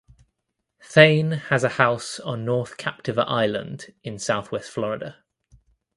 Thain has a house on North Captiva Island in south west Florida.